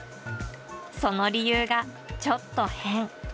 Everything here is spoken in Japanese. その理由がちょっと変。